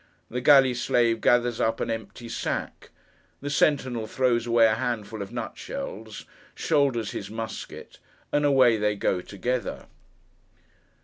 The galley slave gathers up an empty sack. The sentinel throws away a handful of nut shells, shoulders his musket, and away they go together.